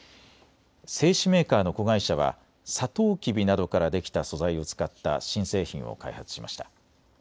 製紙メーカーの子会社はサトウキビなどからできた素材を使った新製品を開発しました。